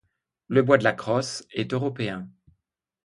Le bois de la crosse est européen.